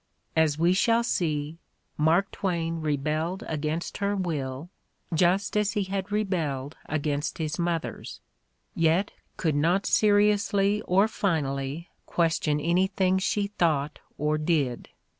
As we shall see, Mark Twain rebelled against her will, just as he had rebelled against his mother's, yet could not seriously or finally question anything she thought or did.